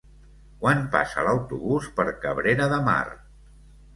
Quan passa l'autobús per Cabrera de Mar?